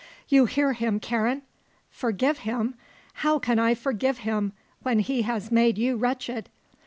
"You hear him, Karen? Forgive him! How can I forgive him when he has made you wretched!